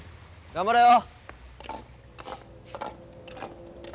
頑張れよ。